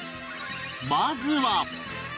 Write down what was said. まずは